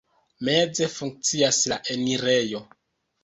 Meze funkcias la enirejo.